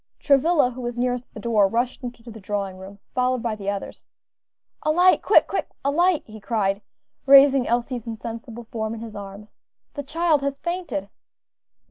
Travilla, who was nearest the door, rushed into the drawing room, followed by the others. "A light! quick, quick, a light!" he cried, raising Elsie's insensible form in his arms; "the child has fainted."